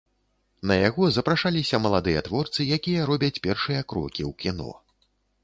На яго запрашаліся маладыя творцы, якія робяць першыя крокі ў кіно.